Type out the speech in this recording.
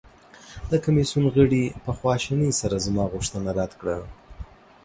د کمیسیون غړي په خواشینۍ سره زما غوښتنه رد کړه.